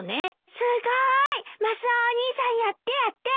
すごい！マスオお兄さんやってやって。